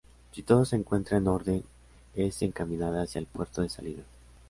Si todo se encuentra en orden es encaminada hacia el puerto de salida.